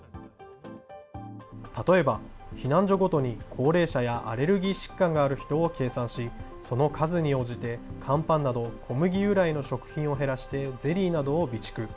例えば、避難所ごとに高齢者やアレルギー疾患がある人を計算し、その数に応じて、乾パンなど、小麦由来の食品を減らして、ゼリーなどを備蓄。